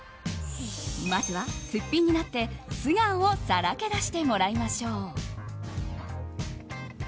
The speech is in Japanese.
まずはすっぴんになって、素顔をさらけ出してもらいましょう。